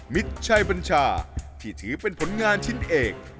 ชัยบัญชาที่ถือเป็นผลงานชิ้นเอก